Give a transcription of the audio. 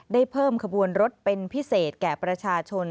ได้เพิ่มขบวนรถเป็นพิเศษแก่ประชาชน